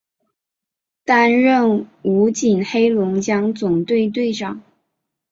担任武警黑龙江总队队长。